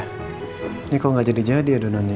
ini kok gak jadi jadi adonannya